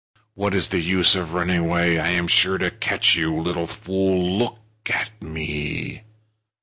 What is the use of running away? I am sure to catch you. Little fool, look at me!"